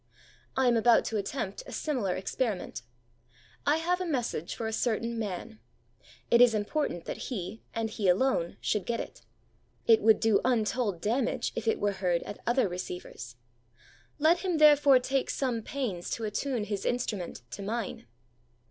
I am about to attempt a similar experiment. I have a message for a certain man. It is important that he, and he alone, should get it. It would do untold damage if it were heard at other receivers. Let him therefore take some pains to attune his instrument to mine.